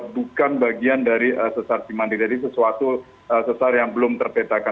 bukan bagian dari sesar cimandiri dari sesuatu sesar yang belum terpetakan